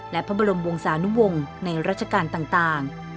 และพระบรมวงศานุวงศ์ในราชการต่าง